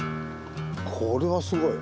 これはすごい。